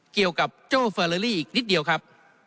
เกี่ยวกับโจ้เฟอร์ลาลี่อีกนิดเดียวครับ